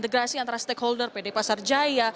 terima kasih pak andri